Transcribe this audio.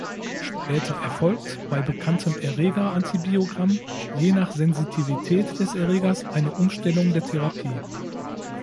Später erfolgt, bei bekanntem Erreger-Antibiogramm, je nach Sensitivität des Erregers eine Umstellung der Therapie.